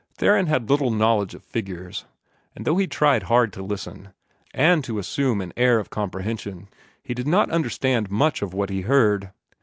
Theron had little knowledge of figures; and though he tried hard to listen, and to assume an air of comprehension, he did not understand much of what he heard.